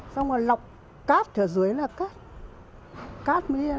xong rồi lọc cát ở dưới là có điện